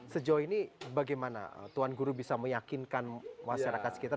sejauh ini bagaimana tuan guru bisa meyakinkan masyarakat sekitar